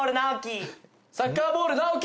サッカーボールナオキ。